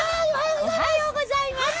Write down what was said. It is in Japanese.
おはようございます。